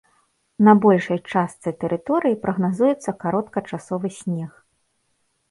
На большай частцы тэрыторыі прагназуецца кароткачасовы снег.